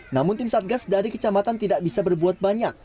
namun tim satgas dari kecamatan tidak bisa berbuat banyak